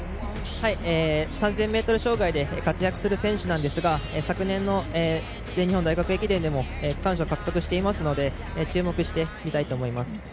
３０００ｍ障害で活躍する選手なんですが昨年の全日本大学駅伝でも区間賞を獲得しているので注目して見たいと思います。